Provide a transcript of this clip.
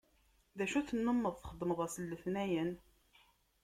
D acu tennumeḍ txeddmeḍ ass n letnayen?